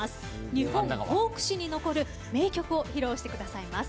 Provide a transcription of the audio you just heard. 日本フォーク史に残る名曲を披露してくださいます。